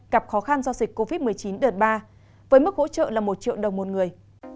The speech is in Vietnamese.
gặp khó khăn do dịch covid một mươi chín đợt ba với mức hỗ trợ là một triệu đồng một người